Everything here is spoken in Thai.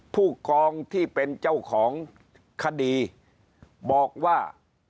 ผู้กองที่เป็นเจ้าของคดีบอกว่า